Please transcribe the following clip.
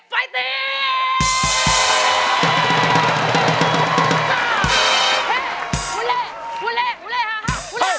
ไฟเตียง